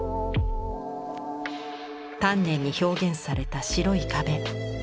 丹念に表現された白い壁。